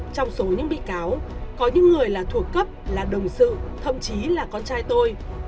trong số những bị cáo có những người là thuộc cấp là đồng sự thậm chí là con trai tôi